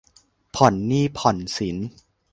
ผ่อนหนี้ผ่อนสิน